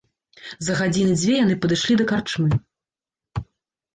За гадзіны дзве яны падышлі да карчмы.